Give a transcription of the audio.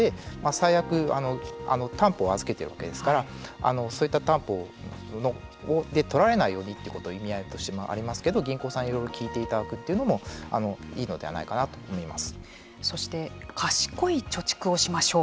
最悪たんぽを預けているわけですからそういった担保でとられないようにということ意味合いとしてありますけれども銀行さんに、いろいろ聞いていただくというのもそして賢い貯蓄をしましょう。